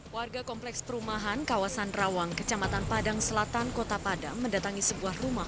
warga kompleks perumahan kawasan rawang kecamatan padang selatan kota padang mendatangi sebuah rumah